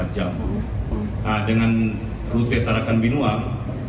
nah dengan rute tarakan binuang